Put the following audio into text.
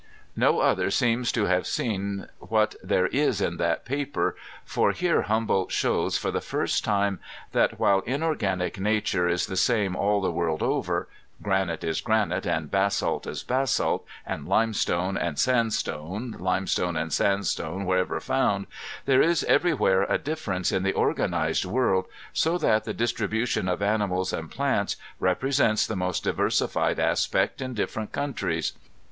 No other seems to have seen what there is in that paper, for there Humboldt shows, for the first time, that while inorganic nature is the same all the world over, ŌĆö granite is granite, and basalt is basalt, and limestone and sandstone, limestone and sandstone wherever found, ŌĆö there is everywhere a difference in the organized world, so that the dis tribution of animals and plants represents the most diversified aspects in different countries.